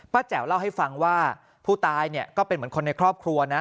แจ๋วเล่าให้ฟังว่าผู้ตายเนี่ยก็เป็นเหมือนคนในครอบครัวนะ